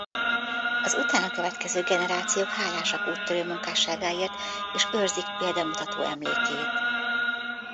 Az utána következő generációk hálásak úttörő munkásságáért és őrzik példamutató emlékét.